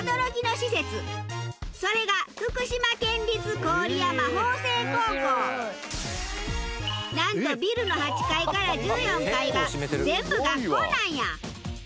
それがなんとビルの８階から１４階が全部学校なんや。